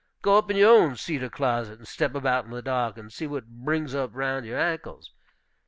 Go up in your own cedar closet, and step about in the dark, and see what brings up round your ankles.